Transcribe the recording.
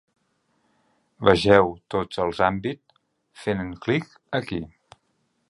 Vegeu tots els àmbit, fent clic aquí.